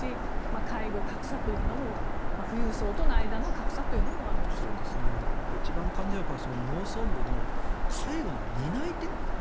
介護格差というのも富裕層との間の格差というのも一番肝心なのは農村部の介護の担い手。